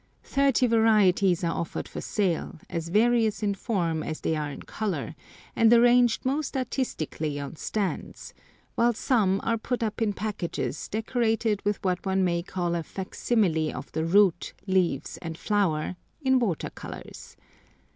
Thirty varieties are offered for sale, as various in form as they are in colour, and arranged most artistically on stands, while some are put up in packages decorated with what one may call a facsimile of the root, leaves, and flower, in water colours.